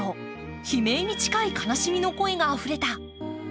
悲鳴に近い悲しみの声があふれた。